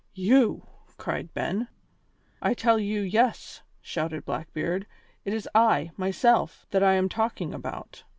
"You!" cried Ben. "I tell you, yes," shouted Blackbeard, "it is I, myself, that I am talking about.